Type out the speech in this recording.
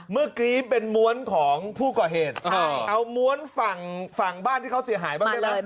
เมื่อกี้เป็นม้วนของผู้ก่อเหตุเอาม้วนฝั่งบ้านที่เขาเสียหายบ้างได้ไหม